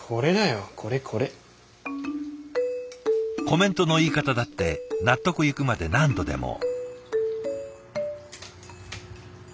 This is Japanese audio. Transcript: コメントの言い方だって納得いくまで何度でも。